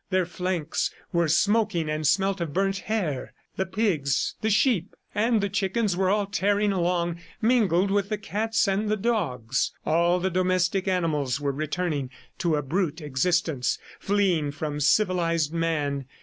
Their flanks were smoking and smelt of burnt hair. The pigs, the sheep and the chickens were all tearing along mingled with the cats and the dogs. All the domestic animals were returning to a brute existence, fleeing from civilized man.